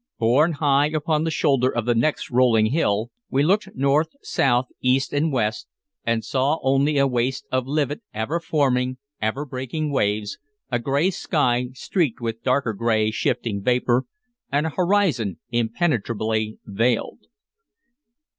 Borne high upon the shoulder of the next rolling hill, we looked north, south, east, and west, and saw only a waste of livid, ever forming, ever breaking waves, a gray sky streaked with darker gray shifting vapor, and a horizon impenetrably veiled.